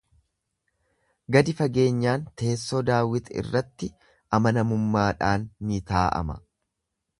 Gadi fageenyaan teessoo Daawit irratti amanamummaadhaan ni taa'ama.